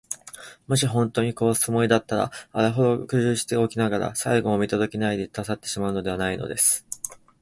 もしほんとうに殺すつもりだったら、あれほど苦心してさらっておきながら、最期も見とどけないで、たちさってしまうわけがないのです。